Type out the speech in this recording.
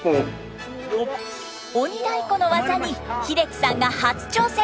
鬼太鼓の技に英樹さんが初挑戦！